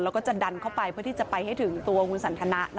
แล้วก็จะดันเข้าไปเพื่อที่จะไปให้ถึงตัวคุณสันทนะ